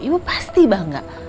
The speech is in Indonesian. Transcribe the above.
ibu pasti bangga